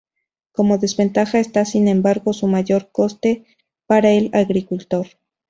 Como desventaja está sin embargo su mayor coste para el agricultor.